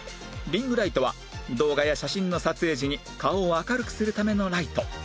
リングライトは動画や写真の撮影時に顔を明るくするためのライト